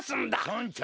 村長！